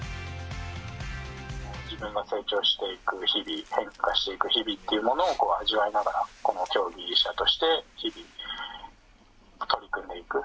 自分が成長していく日々変化していく日々っていうものを味わいながらこの競技者として日々取り組んでいく。